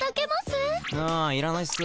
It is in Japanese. あいらないっす。